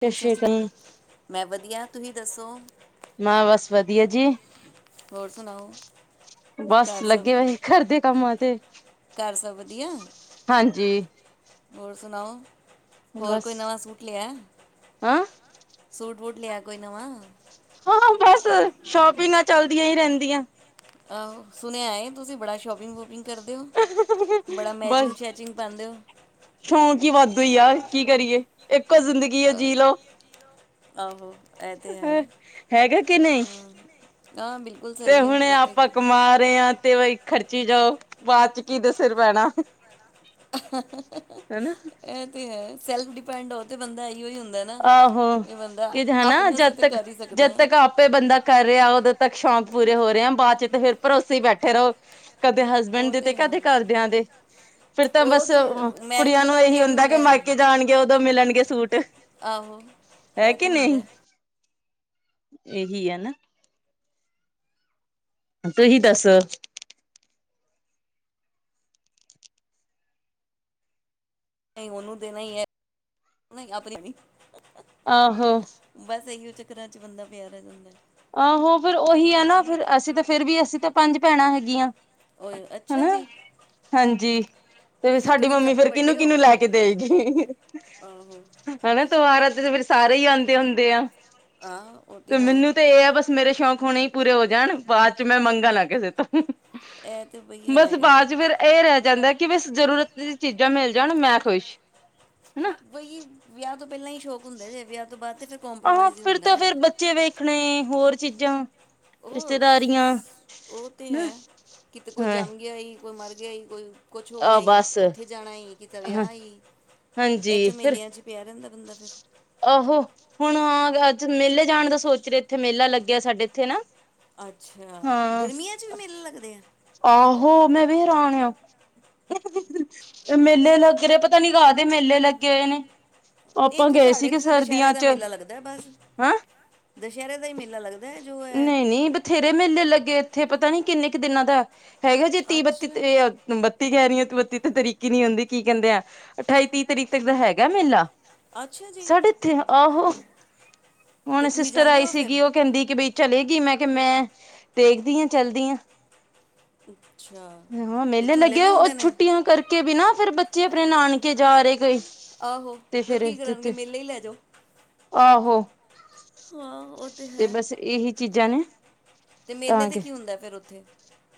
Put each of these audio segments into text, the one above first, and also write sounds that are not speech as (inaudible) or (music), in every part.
ਸਤਿ ਸ਼੍ਰੀ ਅਕਾਲ ਮੈਂ ਵਧੀਆ ਤੁਹੀ ਦੱਸੋ। ਮੈਂ ਬਸ ਵਧੀਆ ਜੀ ਬਸ ਲੱਗੇ ਹੋਏ ਘਰ ਦੇ ਕੰਮ ਤੇ। ਘਰ ਸਬ ਵਧੀਆ। ਹੋਰ ਸੁਣਾਓ। ਹੋਰ ਕੋਈ ਨਵਾਂ ਸੂਟ ਲਿਆ। ਸੂਟ ਵੂਟ ਲਿਆ ਕੋਈ ਨਵਾਂ ਹਾਂ ਬਸ ਸ਼ੋਪਿੰਗਾਂ ਚਲਦੀਆਂ ਹੀ ਰਹਿੰਦੀਆਂ। ਆਹੋ ਸੁਣਿਆ ਤੁਸੀਂ ਬੜਾ ਸ਼ੋਪਿੰਗ ਬੂਪਿੰਗ ਬਸ ਸ਼ੌਕ ਹੀ ਵੱਧ ਹੋਈ ਯਾਰ ਕੀ ਕਰੀਏ ਇਹ ਇਕੋ ਜ਼ਿੰਦਗੀ ਹੈ ਜੀ ਲਓ। ਆਹੋ ਹੈਗਾ ਕਿ ਨਹੀਂ ਤੇ ਹੁਣੇ ਆਪਾਂ ਕਮਾ ਰਹੇ ਹਾਂ ਤੇ ਖਰਚੀ ਜਾਓ ਬਾਅਦ ਚ ਕੀਦੇ ਸਿਰ ਪੈਣਾ ਇਹ ਤੇ ਹੈ ਸੈਲਫ ਡੀਪੈਂਡ ਤੇ ਬੰਦਾ ਇਹੀ ਹੀ ਹੁੰਦਾ ਆਹੋ ਕੀ ਹਨਾ ਜਦ ਤੱਕ ਜਦ ਤੱਕ ਆਪੇ ਬੰਦਾ ਕਰ ਰਿਹਾ ਉਦੋਂ ਤੱਕ ਸ਼ੌਕ ਪੂਰੇ ਹੋ ਰਹੇ ਆ ਬਾਅਦ ਚ ਤੇ ਫਿਰ ਭਰੋਸੇ ਹੀ ਬੈਠੇ ਰਹੋ। ਕਦੇ ਹਸਬੈਂਡ ਦੇ ਤੇ ਕਦੇ ਘਰਦਿਆਂ ਦੇ ਫਿਰ ਤਾਂ ਬਸ ਕੁੜੀਆਂ ਨੂੰ ਇਹੀ ਹੁੰਦਾ ਕਿ ਮਾਯਕੇ ਜਾਣਗੇ ਉਦੋਂ ਮਿਲਣਗੇ ਸੂਟ। ਆਹੋ ਇਹ ਤਾਂ ਹੁੰਦਾ। ਇਹੀ ਹੈ ਆ ਨਾ। ਤੁਹੀ ਦਸੋ ਨਹੀਂ ਉਹਨੂੰ ਦੇਣਾ ਹੀ ਹੈ ਆਪਣੀ ਧੀ। ਆਹੋ ਚੱਕਰਾਂ ਚ ਬੰਦਾ ਪਿਆ ਰਹਿੰਦਾ। ਆਹੋ ਫਿਰ ਉਹੀ ਆ ਨਾ ਫਿਰ ਅਸੀਂ ਤਾਂ ਫਿਰ ਵੀ ਅਸੀਂ ਤਾਂ ਪੰਜ ਭੈਣਾਂ ਹੈਗੀਆਂ। ਹਨਾ ਹਾਂਜੀ ਤੇ ਸਾਡੀ ਮੰਮੀ ਫੇਰ ਕਿਹਨੂੰ ਕਿਹਨੂੰ ਲੈ ਕੇ ਦੇਏਗੀ। ਹਨਾ ਤਿਉਹਾਰ ਤੇ ਫ਼ਿਰ ਸਾਰੇ ਹੀ ਆਦੇ ਹੁੰਦੇ ਆ। ਆਹ ਉਹ ਤੇ ਹੈ। ਬਸ ਮੇਰੇ ਸ਼ੌਕ ਹੁਣੇ ਹੀ ਪੂਰੇ ਹੋ ਜਾਣ ਬਾਅਦ ਚ ਮੈਂ ਮੰਗਾਂ ਨਾ ਕਿਸੇ ਤੋਂ ਬਸ ਬਾਅਦ ਚ ਫੇਰ ਇਹ ਰਹਿ ਜਾਂਦਾ ਕਿ ਬ ਜ਼ਰੂਰਤ ਦੀ ਚੀਜ਼ਾਂ ਮਿਲ ਜਾਣ ਮੈਂ ਖ਼ੁਸ਼ ਬਈ ਜੀ ਵਿਆਹ ਤੋਂ ਪਹਿਲਾਂ ਹੀ ਸ਼ੌਕ ਹੁੰਦਾ ਜੇ ਵਿਆਹ ਤੋਂ ਬਾਅਦ ਆਹੋ ਫਿਰ ਤਾਂ ਫੇਿਰ ਬੱਚੇ ਵੇਖਣੇ ਹੋਰ ਚੀਜ਼ਾਂ ਉਹ ਉਹ ਤੇ ਹੈ ਕਿਤੇ ਕੋਈ ਜੰਮ ਗਿਆ ਹੀ ਕੋਈ ਮਰ ਗਿਆ ੱਗੇ ਜੀ ਕੋਈ ਕੁਛ ਹੋ ਗਿਆ ਜੀ ਉੱਥੇ ਜਾਣਾ ਕਿਦਾ ਵਿਆਹ ਹੋ ਇਹ ਝਮੇਲਿਆਂ ' ਪਿਆ ਰਹਿੰਦਾ ਬੰਦਾ ਫਿਰ ਹੁਣ ਆ ਮੇਲੇ ਜਾਣ ਦਾ ਸੋਚ ਰਹੇ ਇੱਥੇ ਮੇਲਾ ਲੱਗਿਆ ਸਾਡੇ ਇੱਥੇ ਹਨ ਨਾ ਅੱਛਾ ਗਰਮੀਆਂ ਚ ਵੀ ਮੇਲੇ ਲੱਗਦੇ ਆ ਆਹੋ ਮੈਂ ਵੀ ਹੈਰਾਨ ਆ ਮੇਲੇ ਲੱਗ ਰਹੇ ਪਤਾ ਨੀ ਕਾਹਦੇ ਮੇਲੇ ਲੱਗੇ ਹੋਏ ਨੇ, ਇੱਥੇ ਸਾਡੇ ਤੇ ਦੁਸਹਿਰੇ ਦਾ ਮੇਲਾ ਲੱਗਦਾ ਬਸ। ਦੁਸਹਿਰੇ ਦਾ ਹੀ ਮੇ ਨਹੀਂ-ਨਹੀਂ ਬਥੇਰੇ ਮੇਲੇ ਲੱਗੇ। ਉੱਥੇ ਪਤਾ ਨੀ ਕਿੰਨੇ ਕੁ ਦਿਨਾਂ ਦਾ, ਹੈਗਾ, ਜੇ ਤੀਹ ਬੱਤੀ ਤੇ ਬੱਤੀ ਕਹਿ ਰਹੀ ਹੈ। ਬੱਤੀ ਤੇ ਤਰੀਕ ਹੀ ਨੀ ਹੁੰਦੀ ਕੀ ਕਹਿੰਦੇ ਆ ਅਠਾਈ ਤੀਹ ਤਰੀਕ ਤੱਕ ਦਾ ਹੈਗਾ ਮੇਲਾ। ਸਾਡੇ ਇੱਥੇ ਆਹੋ। ਹੁਣ ਸਿਸਟਰ ਆਈ ਸੀਗੀ ਉਹ ਕਿ ਬਈ ਚਲੇਗੀਈ ਮੈਂ ਕਿਹਾ ਮੈਂ ਦੇਖਦੀ ਹਾਂ ਚਲਦੀ ਹਾਂ। ਹਾਂ ਮੇਲੇ ਲੱਗੇ ਉਹ ਛੁੱਟੀਆਂ ਕਰਕੇ ਵੀ ਨਾ, ਫੇਰ ਬੱਚੇ ਆਪਣੇ ਨਾਨਕੇ ਜਾ ਰਹੇ ਕਈ। ਆਹੋ ਫੇਰ ਕੀ ਕਰਨਗੇ ਮੇਲੇ ਹੀ ਲੈ ਜਾਓ। ਆਹੋ, ਤੇ ਬਸ ਇਹੀ, ਚੀਜ਼ਾਂ ਨੇ, ਤੇ ਮੇਲੇ ਤੇ ਕੀ ਹੁੰਦਾ ਫਿਰ ਉੱਥੇ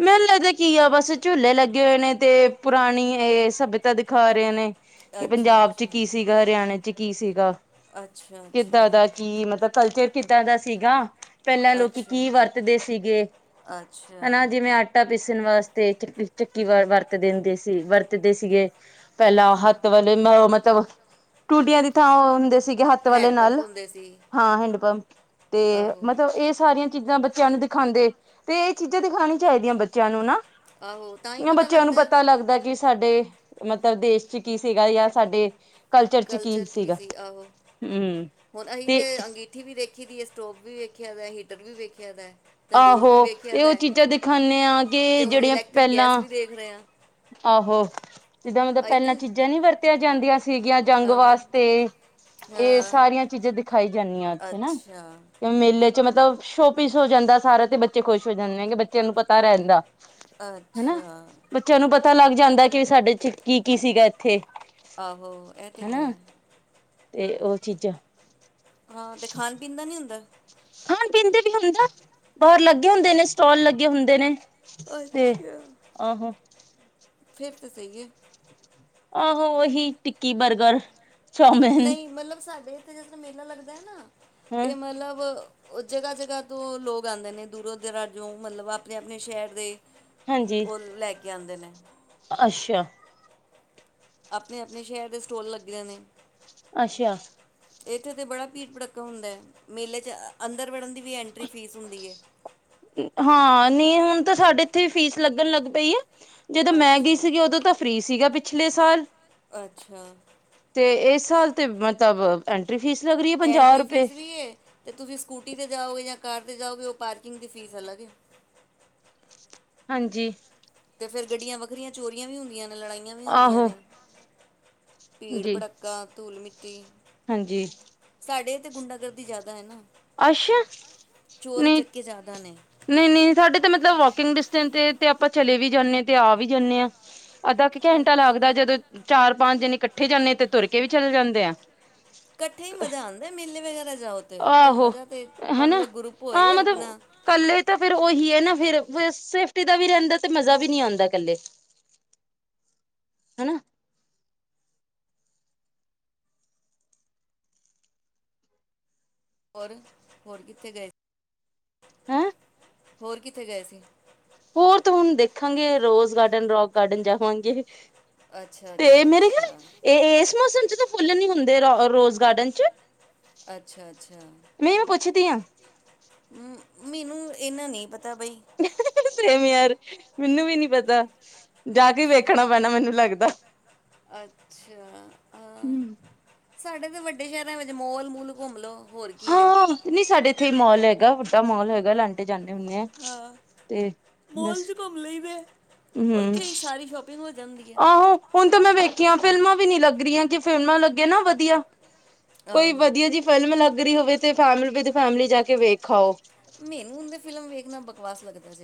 ਮੈਲੇ ਤੇ ਕੀ ਆ ਬਸ ਝੂਲੇ ਲੱਗੇ ਹੋਏ, ਨੇ ਤੇ ਪੁਰਾਣੀ ਇਹ ਸੱਭਿਅਤਾ ਦਿਖਾ ਰਹੇ ਨੇ। ਕਿ ਪੰਜਾਬ ਚ ਕੀ ਸੀਗਾ ਹਰਿਆਣੇ ਚ, ਚ ਕੀ ਸੀਗਾ। ਕਿੱਦਾਂ ਦਾ ਕੀ ਮਤਲਬ ਕਲਚਰ, ਕੀਦਾ ਦਾ ਸੀਗਾ। ਪਹਿਲਾਂ ਲੋਕੀ ਕੀ ਵਰਤਦੇ ਸੀਗੇ। ਹੇਨਾ, ਜਿਵੇਂ ਆਟਾ ਪੀਸਨ ਵਾਸਤੇ, ਤੇ ਚੱਕੀ ਚੱਕੀ ਵ ਵਰਤਦੇ ਹੁੰਦੇ ਸੀ ਵਰਤਦੇ ਸੀਗੇ। ਪਹਿਲਾਂ ਹੱਥ ਵਾਲੇ (unintelligible) ਮਤਲਬ, ਟੂਟੀਆਂ ਦੀ ਥਾਂ ਉਹ ਹੁੰਦੇ ਸੀਗੇ। ਹੱਥ ਵਾਲੇ ਨਾਲ, ਹਾਂ ਹੈਂਡ ਪੰਪ, ਤੇ ਮਤਲਬ ਇਹ ਸਾਰੀਆਂ ਚੀਜ਼ਾਂ ਬੱਚਿਆਂ ਨੂੰ ਦਿਖਾਦੇ ਤੇ ਇਹ ਚੀਜ਼, ਤੇ ਦਿਖਾਨੀ ਚਾਹੀਦੀਆਂ ਬੱਚਿਆਂ ਨੂੰ ਨਾ ਇਹ ਬੱਚਿਆਂ ਨੂੰ ਪਤਾ ਲੱਗਦਾ ਕਿ ਸਾਡੇ, ਮਤਲਬ ਦੇਸ਼ ਚ ਕੀ ਸੀਗਾ ਯਾ ਸਾਡੇ, ਕਲਚਰ ਕੀ ਸੀ, ਆਹੋ ਹੁਨ ਅਹੀ ਤੇ ਅੰਗੀਠੀ ਵੀ ਦੇਖ। ਰੱਖੀ ਦੀ ਹੈ, ਸਟੋਵ ਵੀ ਵੇਖਿਆ ਦੇ ਏ ਹੀਟਰ ਵੀ ਵੇਖਿਆ ਦਾ ਏ ਆਹੋ ਤੇ ਉਹ ਚੀਜ਼ਾਂ ਦਿਖਾਨੇ ਆ ਕਿ ਜਿਹੜੀਆਂ ਪਹਿਲਾਂ ਆਹੋ, ਜਿੱਦਾਂ ਮਤਲਬ ਪਹਿਲਾਂ ਚੀਜ਼ਾਂ ਨੀ ਵਰਤਿਆ ਜਾਂਦੀਆਂ ਸੀ। ਸੀਗੀਆਂ ਜੰਗ ਵਾਸਤੇ ਇਹ ਸਾਰੀਆਂ ਚੀਜ਼ਾਂ ਦਿਖਾਈ ਜਾਂਨੀਆਂ ਉੱਥੇ ਨਾ, ਤੇ ਮੇਲੇ ਚ ਮਤਲਬ ਸ਼ੋ ਪੀਸ ਹੋ ਜਾਂਦਾ ਸਾਰਾ ਤੇ ਬੱਚੇ ਖੁਸ਼ ਹੋ ਜਾਨੇ ਕਿ ਬੱਚਿਆਂ ਨੂੰ ਪਤਾ ਰਹਿੰਦਾ। ਅੱਛਾ, ਪਤਾ ਲੱਗ ਜਾਂਦਾ, ਕਿ ਵੀ ਸਾਡੇ ਚ ਕੀ ਕੀ ਸੀਗਾ ਏਥੇ ਆਹੋ ਇਹ ਤੇ ਹੈ, ਤੇ ਉਹ ਚੀਜ਼ਾਂ, ਹਾਂ ਤੇ ਖਾਨ ਪੀਨ ਦਾ ਨੀ ਹੁੰਦਾ। ਖਾਨ-ਪੀਨ ਦੇ ਵੀ ਹੁੰਦਾ ਬਾਹਰ ਲੱਗੇ ਹੁੰਦੇ ਨੇ ਸਟੋਲ ਲੱਗੇ ਹੁੰਦੇ ਨੇ ਤੇ ਆਹੋ, ਫਿਰ ਤਾਂ ਸਹੀ ਏ। ਆਹੋ ਉਹੀ ਟਿੱਕੀ ਬਰਗਰ ਨਹੀਂ ਮਲਬ ਸਾਡੇ, ਥ ਜਿਸ ਤਰਾ ਮੇਲਾ ਲੱਗਦਾ ਏ ਨਾ, ਤੇ ਮਲਬ, ਉਹ ਜਗ੍ਹਾ ਜਗ੍ਹਾ ਤੋਂ ਲੋਕ ਆਂਦੇ ਨੇ ਦੂਰੋਂ ਦਰਾਂਜੋਂ ਮਤਲਬ ਅਪਨੇ ਆਪਣੇ ਸ਼ਹਿਰ ਦੇ ਉਹ ਲੈ ਕੇ ਆਦੇ ਨੇ, ਅੱਛਾ, ਆਪਣੇ-ਆਪਣੇ ਸ਼ਹਿਰ ਦੇ ਸਟੋਲ ਲੱਗੀਆਂ ਨੇ, ਅੱਛਾ, ਇੱਥੇ ਤਾਂ ਬੜਾ ਭੀੜ ਭੜੱਕਾ ਹੁੰਦਾ ਹੈ, ਮੇਲੇ 'ਚ ਅੰਦਰ ਵੜ੍ਹਨ ਦੀ ਵੀ ਐਂਟਰੀ ਫੀਸ ਹੁੰਦੀ ਹੈ। ਹਾਂ ਨਹੀਂ ਹੁਣ ਤਾਂ ਸਾਡੇ ਇੱਥੇ ਫੀਸ ਲੱਗਣ ਲੱਗ ਪਈ ਹੈ। ਜਦੋਂ ਮੈਂ ਗਈ ਸੀਗੀ ਉਦੋਂ ਤਾਂ ਫ੍ਰੀ ਸੀਗਾ ਪ ਪਿਛਲੇ ਸਾਲ ਅੱਛਾ, ਮਤਲਬ ਐਂਟਰੀ ਐਂਟਰੀ ਫੀਸ ਵੀ ਤੇ ਤੁਸੀਂ ਸਕੂਟੀ ਤੇ ਜਾਓਗੇ, ਜਾਂ ਕਾਰ ਜਾਓਗੇ, ਉਹ ਪਾਰਕਿੰਗ ਦੀ ਫੀਸ ਅਲੱਗ ਹੈ। ਹਾਂਜੀ, ਫ਼ਿਰ ਗੱਡੀਆਂ ਵੱਖਰੀਆਂ ਚੋਰੀਆਂ ਵੀ ਹੁੰਦੀਆਂ ਨੇ, ਲੜਾਈਆਂ ਵੀ ਹੁੰਦੀਆਂ ਨੇ ਭੀੜ ਭੜੱਕਾ ਧੂਲ ਮਿੱਟੀ ਸਾਡੇ ਤੇ ਗੁੰਡਾ ਗਰਦੀ ਜ਼ਿਆਦਾ ਹੈ ਨਾ ਅੱਛਾ ਨਹੀਂ, ਨਹੀਂ-ਨਹੀਂ ਸਾਡੇ ਤਾਂ ਮਤਲਬ ਵਾਕਿੰਗ ਡਿਸਟੈਂਸ ਆਪਾਂ ਚਲੇ ਵੀ ਜਾਂਦੇ ਹ ਤੇ ਆ ਵੀ ਜਾਂਨੇ ਆ। ਅੱਧਾ ਕੁ ਘੰਟਾ ਲੱਗਦਾ ਜਦੋਂ ਚਾਰ ਪੰਜ ਜਣੇ ਇਕੱਠੇ ਜਾਂਦੇ ਤੇ ਤੁਰ ਕੇ ਵੀ ਚੱਲ ਜਾਂਦੇ ਆ। ਇਕੱਠੇ ਹੀ ਮਜ਼ਾ ਆਦਾ ਮੇਲੇ ਵਗੈਰਾ ਜਾਓ ਤੇ ਤੇ ਮਜ਼ਾ ਤੇ ਮਤਲਬ ਗਰੁੱਪ ਹੋਏ ਆਪਣਾ ਤਾਂ ਫਿਰ ਉਹੀ ਹੈ, ਨਾ ਫਿਰ ਸੇਫਟੀ ਦਾ ਵੀ ਰਹਿੰਦਾ ਤੇ ਮਜ਼ਾ ਵੀ ਨਹੀਂ ਆਦਾ ਇਕੱਲੇ ਹਨਾ ਹੋਰ-ਹੋਰ ਕਿੱਥੇ ਗਏ। ਹੋਰ ਕਿੱਥੇ ਗਏ ਸੀ। ਹੋਰ ਤਾਂ ਹੁਣ ਦੇਖਾਂਗੇ, ਰੋਜ਼ ਗਾਰਡਨ ਰੋਕ ਗਾਰਡਨ ਜਾਵਾਂਗੇ। ਤੇ ਮੇਰੇ ਖਿਆਲ ਇਹ ਇਸ ਮੌਸਮ ਚ, ਫੁੱਲ ਨੀ ਹੁੰਦੇ ਰ ਰੋਜ਼ ਗਾਰਡਨ ਚ, ਅੱਛਾ-ਅੱਛਾ, ਹੂੰ ਮੈਨੂੰ ਇਹਨਾ ਨਹੀਂ ਪਤਾ। ਬਈ ਮੈਨੂੰ ਵੀ ਨੀ ਪਤਾ, ਜਾ ਕੇ ਵੇਖਣਾ ਪੈਣਾ ਮੈਨੂੰ ਲੱਗਦਾ। ਅੱਛਾ, ਹੂੰ, ਸਾਡੇ ਤੇ ਵੱਡੇ ਸ਼ਹਿਰਾਂ ਵਿੱਚ ਮੋਲ ਮੂਲ ਘੁੰਮ ਲੋੋ। ਹਾਂ ਨਹੀਂ ਸਾਡੇ ਇੱਥੇ ਹੀ ਮੋਲ ਹੈ। ਗਾ ਵੱਡਾ ਮੋਲ ਹੈਗਾ ਲਾਂਟੀ ਜਾਂਦੇ ਹੁੰਦੇ ਹੈ ਤੇ ਬਸ ਹੂੰ, ਆਹੋ ਹੁਣ ਤਾਂ ਮੈਂ ਵੇਖ ਕਿਆਂ ਫਿਲਮਾਂ ਵੀ ਨਹੀਂ ਲੱਗ ਰਹੀਆਂ ਕਿ ਫਿਲਮਾਂ ਲੱਗੇ ਨਾ ਵਧੀਆ। ਕੋਈ ਵਧੀਆ ਜਿਹੀ ਫਿਲਮ ਲੱਗ ਰਹੀ ਹੋਵੇ। ਤੇ ਫੈਮ ਵਿਦ ਫੈਮਿਲੀ ਜਾ ਕੇ ਵੇਖ ਆਓ। ਆਵਾਸ ਲਗਦਾ।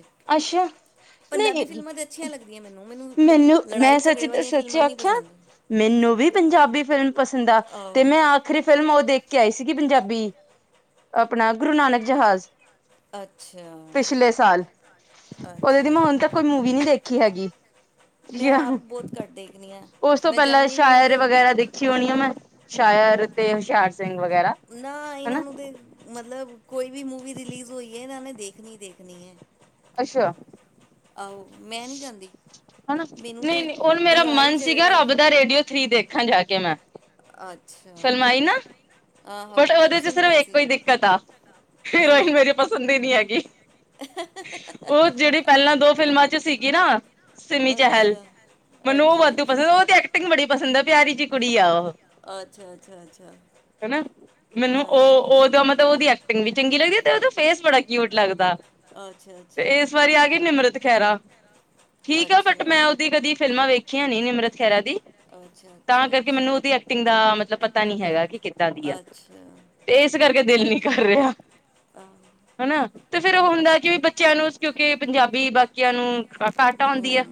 ਪੰਜਾਬੀ ਫਿਲਮਾਂ ਤੇ ਅੱਛੀਆਂ ਲੱਗਦੀਆਂ ਮੈਨੂੰ ਮੈਨੂੰ ਮੈਂ ਸੱਚ ਸੱਚੀ ਆਖਿਆ ਮੈਨੂੰ ਵੀ ਪੰਜਾਬੀ ਫਿਲਮ ਪਸੰਦ ਆ ਤੇ ਮੈਂ ਆਖਰੀ ਫਿਲਮ ਉਹ ਦੇਖ। ਕੇ ਆਈ ਸੀਗੀ ਪੰਜਾਬੀ ਆਪਣਾ ਗੁਰੂ ਨਾਨਕ ਜਹਾਜ਼ ਪਿਛਲੇ ਸਾਲ ਉਹਦੇ ਦੀ ਮੈਂ ਹੁਣ ਤ ਕੋਈ ਮੂਵੀ ਨਹੀਂ ਦੇਖੀ। ਖੀ ਹੈਗੀ। ਠੀ ਆ ਉਸ ਤੋਂ ਪਹਿਲਾਂ ਸ਼ਾਇਰ ਵਗੈਰਾ ਦੇਖੀ ਹੋਣੀ ਆ ਮੈਂ, ਸ਼ਾਇਰ ਤੇ ਹੁਸ਼ਿਆਰ, ਨਾ ਇਹਨਾਂ ਨੂੰ ਤੇ ਮਤਲਬ, ਕੋਈ ਵੀ ਮੂਵੀ ਰਿਲੀਜ਼ ਹੋਈ ਹੈ, ਨੇ ਮੈਂ ਦੇਖਣੀ-ਦੇਖਣੀ ਹੈ। ਅੱਛਾ, ਹਨਾ ਨਹੀਂ ਨਹੀਂ ਉਹਨ ਮੇਰਾ ਮਨ ਸੀਗਾ ਰੱਬ ਦਾ ਰੇਡੀਓ ਥਰੀ ਦੇਖਾਂ ਜਾ ਕੇ ਮੈਂ, ਫਲਮਾਈ, ਨਾ ਬਟ ਉਹਦੇ ਚ ਸਿਰਫ ਇੱਕ ਕੋ ਹੀ ਦਿੱਕਤ ਆ ਹੀਰੋਇਨ ਮੇਰੀ ਪਸੰਦ ਹੀ ਨਹੀਂ ਹੈਗੀ ਉਹ ਜਿਹੜੀ ਪਹਿਲਾਂ ਦੋ ਫਿਲਮਾਂ ਸੀਗੀ ਨਾ, ਸੀਮੀ ਚਹਿਲ ਮੈਨੂੰ ਉਹ ਵਾਧੂ ਪਸੰਦ ਉਹ ਤੇ ਐਕਟਿੰਗ ਬੜੀ ਪਸੰਦ ਆ ਪਿਆਰੀ ਚ ਕੁੜੀ ਆ ਉਹ, ਹਨਾ, ਮੈਨੂੰ ਉਹ ਦੋਂ ਮਤਲਬ ਉਹਦੀ ਐਕਟਿੰਗ ਵੀ ਚੰਗੀ ਲੱਗਦੀ। ਤੇ ਉਹਦਾ ਫੇਸ ਬੜਾ ਕਿਊਟ ਲੱਗਦਾ। ਤੇ ਇਸ ਵਾਰੀ ਆ ਗਈ ਨਿਮਰਤ ਖਹਿਰਾ, ਠੀਕ ਐ ਬਟ ਮੈਂ ਉਹਦੀ ਕਦੀ ਫਿਲਮਾਂ ਵੇਖੀ ਨੀ ਨਿਮਰਤ ਖਹਿਰਾ ਦੀ, ਤਾਂ ਕਰਕੇ ਮੈਨੂੰ ਉਹਦੀ ਐਕਟਿੰਗ ਦਾ ਮਤਲਬ ਪ ਪਤਾ ਨਹੀਂ ਹੈਗਾ ਕਿ ਕਿੱਦਾਂ ਦੀ ਆ ਤੇ ਇਸ ਕਰਕੇ ਦਿਲ ਨ ਕਰ ਰਿਹਾ। ਹਨਾ, ਤੇ ਫੇਰ ਉਹ ਹੁੰਦਾ ਕਿ ਵੀ ਬੱਚਿਆਂ ਨੂੰ ਕਿਉਂਕਿ ਪੰਜਾਬੀ ਬਾਕੀਆਂ ਨੂੰ (unintelligible) ਘੱਟ ਔਣਦੀ ਐ,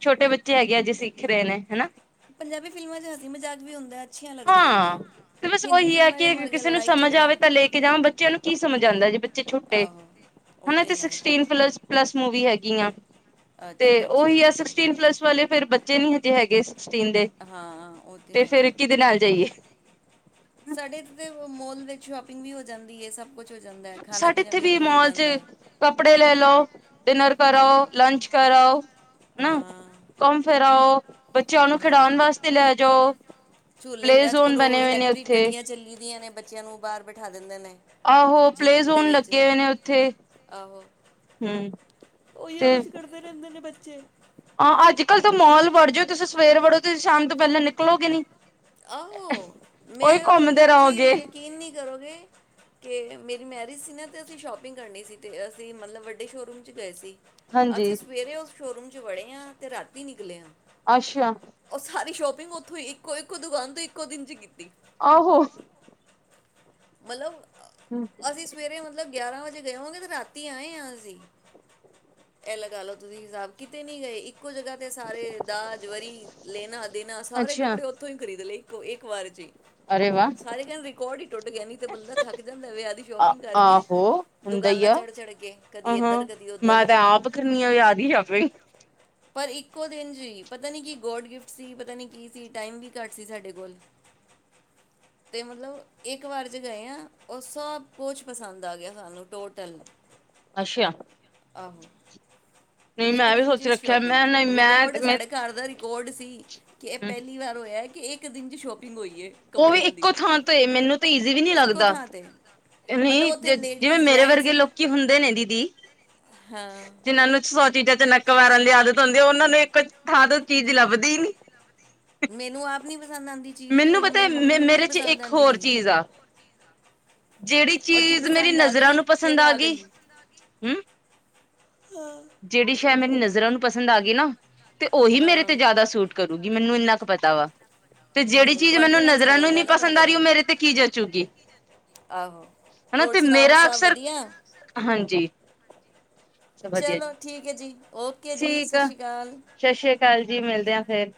ਛੋਟੇ ਬੱਚੇ ਚ ਹੈਗੇ ਆ ਜੇ ਸਿੱਖ ਰੇ ਨੇ, ਹਨਾ? ਪੰਜਾਬੀ ਫਿਲਮਾਂ ਚ ਹਸੀ ਮਜਾਕ ਵੀ ਹੁੰਦੈ, ਅੱਛੀਆਂ ਲੱਗਦੀਆਂ ਨੇ, ਹਿੰਦੀ ਫਿਲਮਾਂ ਚ ਮਰ ਗੇਆ ਲੜਾਈ ਝਗੜਾ ਸਮਝ ਆਂਦਾ ਜੇ ਚ ਛੁੱਟੇ, ਹੁਨ ਤੇ ਸਿਕਸਟੀਂਨ ਪਲੱਸ-ਪਲੱਸ ਮੂਵੀ ਹੈਗੀ ਕੀਆਂ ਤੇ ਓਹੀ ਆ ਸਿਕਸਟੀਂਨ ਪਲੱਸ ਵਾਲੇ ਫੇਰ ਬੱਚੇ ਨੀ ਹੈ ਹੈਗੇ ਸੀ ਸਿਕਸਟੀਂਨ ਦੇ, ਤੇ ਫੇਰ ਕਿਦੇ ਨਾਲ ਜਾਈਏ? ਸਾਡੇ ਇੱਥੇ ਤੇ, ਮੋਲ ਵਿੱਚ ਸ਼ੋਪਿੰਗ ਵੀ ਹੋ ਜਾਂਦੀ ਹੈ ਸਭ ਸਾਡੇ ਇੱਥੇ ਵੀ ਮੋਲ ਚ, ਕੱਪੜੇ ਲੈ ਲਓ, ਡਿਨਰ ਕਰਓ, ਲੰਚ ਕਰਾਓ ਹਨਾ, ਘੋਂਮ ਫਿਰ ਆਓ। ਬੱਚਿਆਂ ਨੂੰ ਖਿਡੋਣ ਵਾਸਤੇ ਲੈ ਜੋ, ਪਲੇਜ਼ੋਨ ਬਣੇ ਹੋਏ ਨੇ ਉੱਥੇ ਬਾਅਰ ਬਿੱਠਾ ਦਿੰਦੇ ਨੇ ਆਹੋ ਪਲੇਜ਼ੋਨ ਲੱਗੇ ਹੋਏ ਨੇ ਉੱਥੇ, ਹਮ! ਤੇ ਜੀ ਆਂ, ਅੱਜ ਕੱਲ੍ਹ ਤਾਂ ਮੋਲ ਵੜ ਜਓ, ਤੁਸੀਂ ਸਵੇਰ ਵੜੋ ਤੁਸੀਂ ਸ਼ਾਮ ਤੋਂ ਪੈੱਲਾਂ ਨਿਕਲੋਗੇ ਨੀ ਆਹੋ, ਮੈਂ ਮਤਲਬ ਤੁਸੀਂ ਯਕੀਨ ਨੀਂ ਕਰੋਗੇ। ਕਿ ਮੇਰੀ ਮੈਰਿਜ ਸੀ, ਨਾ ਤੇ ਅਸੀਂ ਸ਼ੋਪਿੰਗ ਕਰਨੀ ਸੀ ਤੇ ਅਸੀਂ ਮਤਲਬ ਵੱਡੇ ਸ਼ੋਰੂਮ ਚ ਗਏ ਸੀ। ਅਸੀਂ ਸਵੇਰੇ ਉਸ, ਸ਼ੋਅਰੂਮ 'ਚ ਵੜ੍ਹੇ ਹਾਂ, ਤੇ ਰਾਤੀ ਨਿਕਲੇ ਹਾਂ। ਅੱਛਾ, ਸਾਰੀ ਸ਼ੋਪਿੰਗ ਉੱਥੋਂ ਈ ਇਕੋ-ਇਕ, ਇੱਕ ਦੁਕਾਨ ਤੋ ਇੱਕੋ ਦਿਨ ਚ ਕੀਤੀ। ਆਹੋ, ਮਤਲਬ, ਅਸੀਂ ਸਵੇਰੇ ਮਤਲਬ, ਗਿਆਰਾਂ ਵਜੇ ਗਏ ਹੋਂਗੇ, ਤੇ ਰਾਤੀ ਆਏ ਹਾਂ ਅਸੀਂ ਇਹ ਲਗਾ ਲਓ, ਤੁਸੀਂ ਹਿਸਾਬ ਕਿਤੇ ਨੀ ਗਏ ਇੱਕ ਇੱਕੋ ਜਗ੍ਹਾ ਤੇ ਸਾਰੇ ਦਾਜ ਵਰੀ ਲੈਣਾ ਦੇਣਾ ਸਾਰੇ ਕੱਪੜੇ ਉੱਥੋਂ ਹੀ ਖਰੀਦ ਲਏ। ਇੱਕੋ ਇੱਕ ਵਾਰ ਚ ਹੀ, ਸਾਰੇ ਕਹਿੰਦੇ ਰਕਾਰਡਿੰ ਟੁੱਟ ਗਿਆ, ਨੀ ਤੇ ਬੰਦਾ ਥੱਕ ਜਾਂਦਾ ਵਿਆਹ ਦੀ ਸ਼ੋਪਿੰਗ ਕਰਕੇ, ਦੁਕਾਨਾਂ ਚੜ ਚੜ੍ਹ ਕੇ ਕਦੀ ਏਧਰ ਕਦੀ ਉਧਰ ਪਰ ਇੱਕੋ ਦਿਨ ਜੀ ਪਤਾ ਨੀ ਕੀ ਗੋਡ ਗਿਫਟ ਸੀ, ਪਤਾ ਨੀ ਕੀ ਸੀ, ਟਾਈਮ ਵੀ ਘੱਟ ਸੀ ਸਾਡੇ ਕੋਲ ਤੇ ਮਤਲਬ ਇੱਕ ਵਾਰ 'ਚੇ ਗਏ, ਹਾਂ ਉਹ ਸਭ ਕੁਛ ਪਸੰਦ ਆ ਗਿਆ ਸਾਨੂੰ ਟੋਟਲ ਅੱਛਾ, ਆਹੋ, ਇੱਕ ਦਿਨ ਚ ਸ਼ੋਪਿੰਗ ਰਿਕਾਰਡ ਸਾਡੇ ਘਰ ਦਾ ਰਿਕਾਰਡ ਤੀਹ ਕਿ ਇਹ ਪਹਿਲੀ ਵਾਰ ਹੋਇਆ। ਇੱਕ ਦਿਨ ਚ ਸ਼ੋਪਿੰਗ ਹੋਈ। ਉਹ ਵੀ ਇੱਕੋ ਥਾਂ ਤੇ ਮੈਨੂੰ ਤਾਂ ਈਜ਼ੀ ਵੀ ਨੀ ਲੱਗਦਾ, ਜਿਵੇਂ ਮੇਰੇ ਵਰਗੇ ਲੋਕੀ ਹੁੰਦੇ ਨੇ ਦੀਦੀ ਜਿਹਨਾਂ ਨੂੰ ਸੋ ਚੀਜ਼ਾ ਤੇ ਨੱਕ ਮਾਰਨ ਆਦਤ ਹੁੰਦੀ ਆ, ਉਹਨਾਂ ਨੂੰ ਇੱਕ ਥਾਂ ਤੋਂ ਚੀਜ਼ ਲੱਭਦੀ ਹੀ ਨੀ। ਮੈਨੂੰ ਆਪ ਨੀ ਪਤਾ ਪਸੰਦ ਆਂਦੀ ਚੀਜ਼ ਮੇਰੀ, ਮੰਮੀ ਨੂੰ ਵੀ ਨੀ ਪਸੰਦ ਆਂਦੀ ਜਿਹੜੀ ਚੀਜ਼ ਮੇਰੀ ਨਜ਼ਰਾਂ ਨੂੰ ਪਸੰਦ ਆ ਗਈ ਹੂੰ ਜਿਹੜੀ ਸ਼ੇਅ ਮੇਰੀ ਨਜ਼ ਰ ਨੂੰ ਪਸੰਦ ਆ ਗਈ ਨਾ ਤੇ ਉਹੀ ਮੇਰੇ ਤੇ ਜ਼ਿਆਦਾ ਸੂਟ ਕਰੂਗੀ ਮੈਨੂੰ ਇੰਨਾ ਪਤਾ ਵਾ ਤੇ ਜਿਹੜੀ ਚੀਜ਼ ਮੈਨੂੰ ਨਜ਼ਰਾਂ ਨੂੰ ਨੀ ਪਸੰਦ ਆ ਰਹੀ, ਉਹ ਮੇਰੇ ਤੇ ਕੀ ਜਚੂਗੀ ਹਨਾ ਤੇ ਮੇਰਾ ਅਕਸਰ ਹਾਂਜੀ ਸਭ ਵਧੀਆ ਜੀ। ਠੀਕ ਹੈ ਜੀ। ਠੀਕ ਆ ਸਸ਼ ਰੀ ਅਕਾਲ ਜੀ ਮਿਲਦੇ ਆ ਫੇਰ